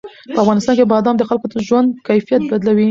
په افغانستان کې بادام د خلکو د ژوند کیفیت بدلوي.